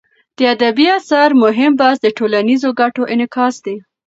د ادبي اثر مهم بحث د ټولنیزو ګټو انعکاس دی.